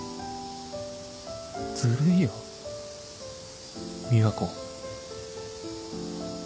ズルいよ美和子